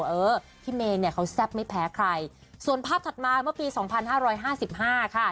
เออพี่เมย์เนี่ยเขาแซ่บไม่แพ้ใครส่วนภาพถัดมาเมื่อปี๒๕๕๕ค่ะ